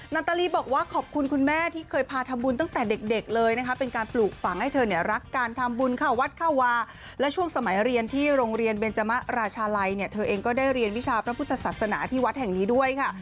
นาตาลีบอกว่าขอบคุณคุณแม่ที่เคยพาทำบุญตั้งแต่เด็กเลยนะคะเป็นการปลูกฝังให้เธอเนี่ยรักการทำบุญเข้าวัดเข้าวาและช่วงสมัยเรียนที่โรงเรียนเบนจมะราชาลัยเนี่ยเธอเองก็ได้เรียนวิชาพระพุทธศาสนาที่วัดแห่งนี้ด้วยค่ะ